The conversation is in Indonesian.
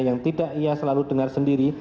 yang tidak ia selalu dengar sendiri